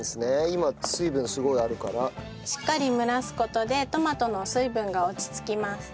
しっかり蒸らす事でトマトの水分が落ち着きます。